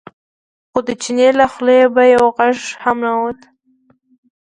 خو د چیني له خولې به یو غږ هم نه ووت.